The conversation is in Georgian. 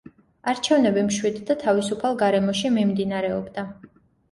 არჩევნები მშვიდ და თავისუფალ გარემოში მიმდინარეობდა.